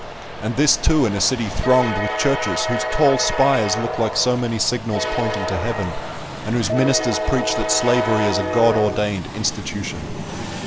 And this, too, in a city thronged with churches, whose tall spires look like so many signals pointing to heaven, and whose ministers preach that slavery is a God ordained institution!